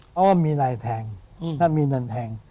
เพราะว่ามีรายแพงถ้ามีรายแพง